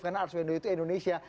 karena ars wendo itu indonesia